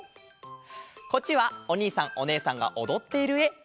こっちはおにいさんおねえさんがおどっているえ！